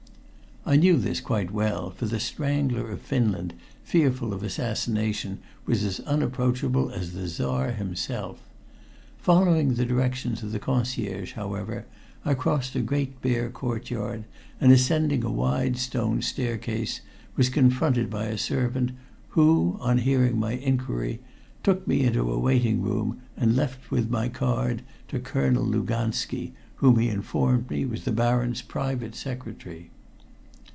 I knew this quite well, for the "Strangler of Finland," fearful of assassination, was as unapproachable as the Czar himself. Following the directions of the concierge, however, I crossed a great bare courtyard, and, ascending a wide stone staircase, was confronted by a servant, who, on hearing my inquiry took me into a waiting room, and left with my card to Colonel Luganski, whom he informed me was the Baron's private secretary.